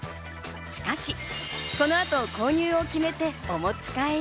しかし、この後、購入を決めて、お持ち帰り。